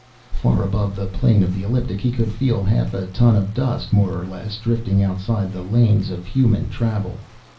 Far above the plane of the ecliptic, he could feel half a ton of dust more or less drifting outside the lanes of human travel.